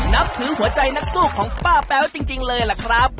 นับถึงหัวใจนักสู้ของป้าแป๊วจริงเลยล่ะครับ